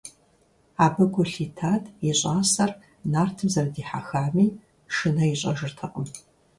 Абы гу лъитат и щӀасэр нартым зэрыдихьэхами, шынэ ищӀэжыртэкъым.